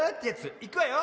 いくわよ。